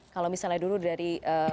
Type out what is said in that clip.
kalau misalnya dulu dari